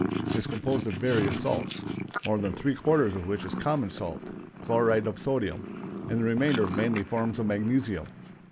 is composed of various salts, more than three quarters of which is common salt (chloride of sodium), and the remainder mainly forms of magnesium.